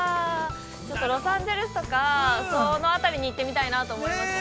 ちょっとロサンゼルスとか、その辺りに行ってみたいなと思いますね。